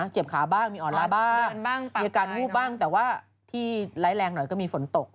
เจ็บขาบ้างมีอ่อนล้าบ้างมีอาการวูบบ้างแต่ว่าที่ไร้แรงหน่อยก็มีฝนตก